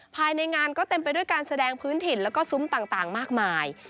ภายในงานก็เต็มไปด้วยการแสดงพื้นถิ่นแล้วก็ซุ้มต่างมากมาย